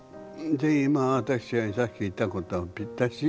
で今私がさっき言ったことはぴったし？